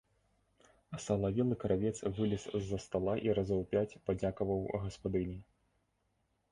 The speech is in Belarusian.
Асалавелы кравец вылез з-за стала і разоў пяць падзякаваў гаспадыні.